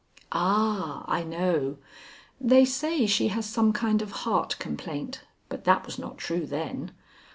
"Ah, I know! They say she has some kind of heart complaint, but that was not true then.